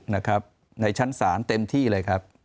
ในชั้นสารเต็มที่เลยครับ